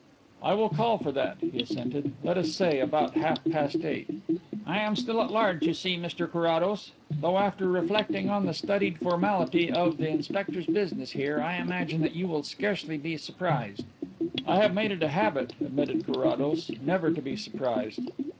"I will call for that," he assented. "Let us say about half past eight." "I am still at large, you see, Mr Carrados; though after reflecting on the studied formality of the inspector's business here, I imagine that you will scarcely be surprised." "I have made it a habit," admitted Carrados, "never to be surprised."